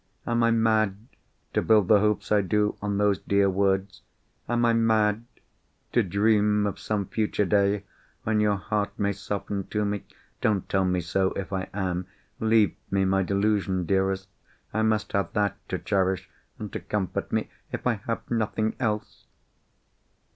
Am I mad to build the hopes I do on those dear words? Am I mad to dream of some future day when your heart may soften to me? Don't tell me so, if I am! Leave me my delusion, dearest! I must have that to cherish, and to comfort me, if I have nothing else!"